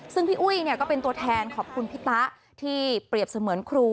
ซึ่งพี่อุ้ยก็เป็นตัวแทนขอบคุณพี่ตะที่เปรียบเสมือนครู